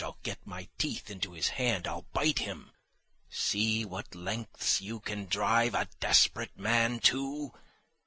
I'll get my teeth into his hand, I'll bite him. "See what lengths you can drive a desperate man to!"